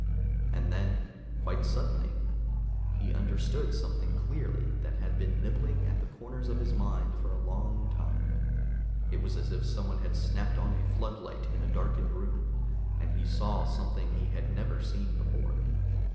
And then quite suddenly he understood something clearly that had been nibbling at the corners of his mind for a long time. It was as if someone had snapped on a floodlight in a darkened room, and he saw something he had never seen before.